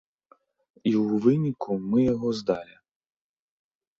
І ў выніку мы яго здалі.